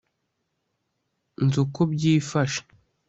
nzi uko byifashe